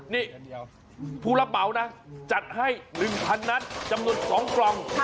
นี่ผู้รับเหมานะจัดให้๑๐๐นัดจำนวน๒กล่อง